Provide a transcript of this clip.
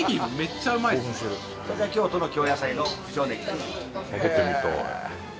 これが京都の京野菜の九条ネギです。